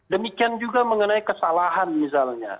demikian juga mengenai kesalahan misalnya